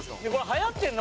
はやってるの？